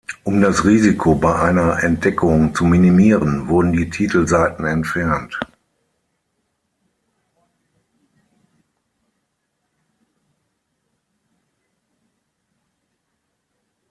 Um das Risiko bei einer Entdeckung zu minimieren, wurden die Titelseiten entfernt.